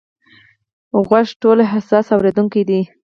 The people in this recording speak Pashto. غوږ ټولو حساس اورېدونکی دی.